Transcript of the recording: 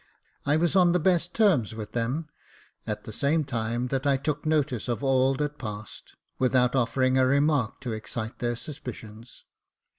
I was on the best terms with them, at the same time that I took notice of all that passed, without offering a remark to excite their suspicions.